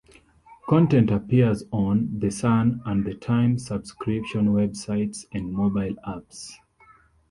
Content appears on "The Sun" and "The Times" subscription websites and mobile apps.